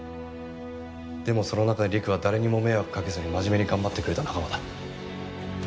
でもその中でりくは誰にも迷惑かけずに真面目に頑張ってくれた仲間だ。